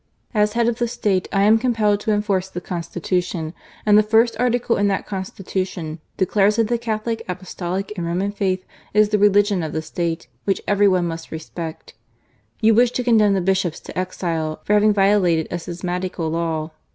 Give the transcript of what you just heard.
As head of the State, I am compelled to enforce the Constitution ; and the first Article in that Constitution declares that the Catholic, Apostolic and Roman Faith is the religion: of the State, which every one must respect. You wish to condemn the Bishops to exile for having violated a schismatical law.